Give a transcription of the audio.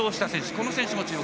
この選手にも注目。